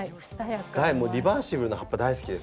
リバーシブルの葉っぱ大好きですから。